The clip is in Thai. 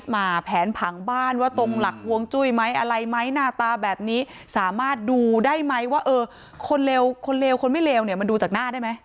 แผนผังบ้านว่าตรงหลักฮวงจุ้ยไหมอะไรไหมหน้าตาแบบนี้สามารถดูได้ไหมว่าเออคนเลวคนเลวคนไม่เลวเนี่ยมันดูจากหน้าได้ไหม